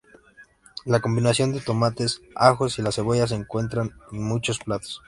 La combinación de tomates, ajos y la cebollas se encuentra en muchos platos.